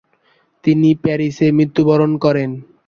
তিনি প্যারিসে মৃত্যুবরণ করেন।